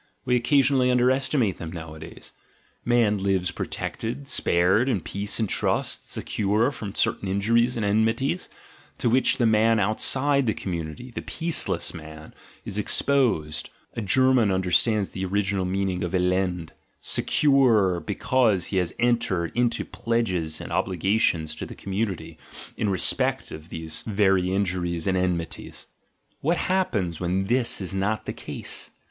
we occasion ally underestimate them nowadays), man lives protected, spared, in peace and trust, secure from certain injuries and enmities, to which the man outside the community, the "peaceless" man, is exposed, — a German understands the original meaning of "Elend" {elend), — secure because he has entered into pledges and obligations to the com munity in respect of these very injuries and enmities. What happens when this is not the case?